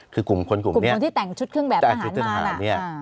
ขึกกลุ่มคนนี้จะอาจจุดทหาร